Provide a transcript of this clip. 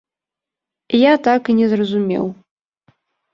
Я так і не зразумеў.